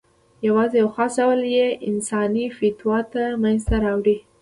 یواځې یو خاص ډول یې انساني آفتونه منځ ته راوړي.